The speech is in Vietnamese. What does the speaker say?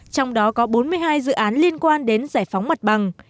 trong đó có bốn mươi hai dự án liên quan đến giải phóng mặt bằng